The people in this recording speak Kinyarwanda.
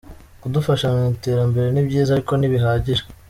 Kudufasha mu iterambere ni byiza ariko ntibihagije”.